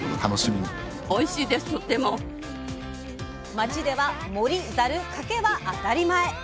町ではもりざるかけは当たり前！